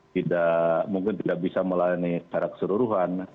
tidak mungkin tidak bisa melayani secara keseluruhan